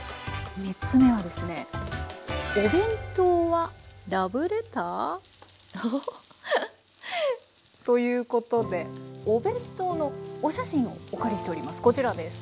３つ目はですねおぉ？ということでお弁当のお写真をお借りしております。